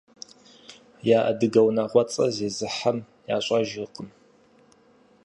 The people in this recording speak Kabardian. Я адыгэ унагъуэцӀэр езыхэм ящӀэжыркъым.